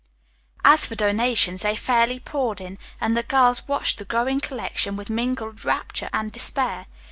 As for donations, they fairly poured in, and the girls watched the growing collection with mingled rapture and despair.